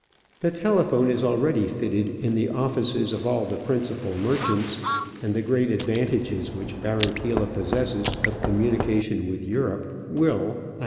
The telephone is already fitted in the offices of all the principal merchants, and the great advantages which Barranquilla pos sesses of communication with Europe will, I have Digitized by VjOOQIC :h 1 n ic.